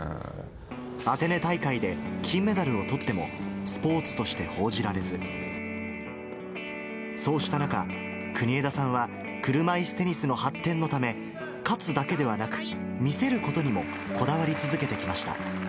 アテネ大会で金メダルをとっても、スポーツとして報じられず、そうした中、国枝さんは車いすテニスの発展のため、勝つだけではなく、魅せることにもこだわり続けてきました。